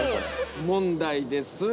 問題です。